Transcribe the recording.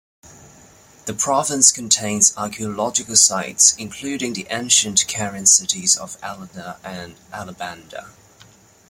The province contains archaeological sites, including the ancient Carian cities of Alinda and Alabanda.